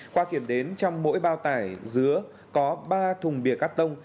qua kiểm đến trong mỗi bao tải giữa có ba thùng bìa cắt tông